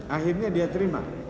akhirnya dia terima